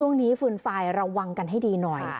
ช่วงนี้ฟืนไฟล์ระวังกันให้ดีหน่อย